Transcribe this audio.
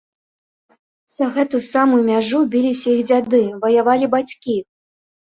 За гэтую самую мяжу біліся іх дзяды, ваявалі бацькі.